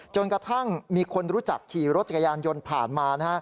จนกระทั่งมีคนรู้จักขี่รถจักรยานยนต์ผ่านมา